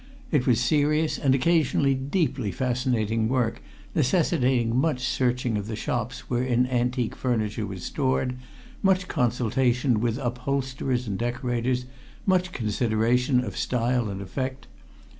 It was serious and occasionally deeply fascinating work, necessitating much searching of the shops wherein antique furniture was stored, much consultation with upholsterers and decorators, much consideration of style and effect.